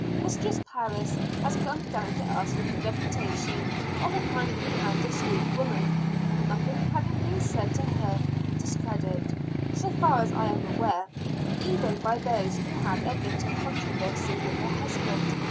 Mistress Parris has come down to us with the reputation of a kindly and discreet woman nothing having been said to her discredit, so far as I am aware, even by those who had a bitter controversy with her husband.